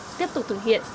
và tiếp tục thực hiện